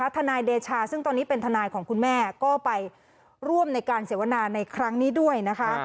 ทนายเดชาซึ่งตอนนี้เป็นทนายของคุณแม่ก็ไปร่วมในการเสวนาในครั้งนี้ด้วยนะคะ